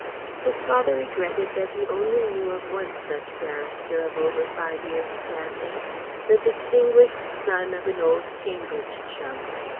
His father regretted that he only knew of one such barrister of over five years' standing: the distinguished son of an old Cambridge chum.